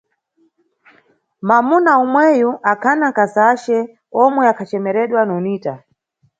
Mwamuna umweyu akhana nkazace, omwe akhacemeredwa Nonita.